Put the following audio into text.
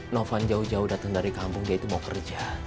novan jauh jauh datang dari kampung dia itu mau kerja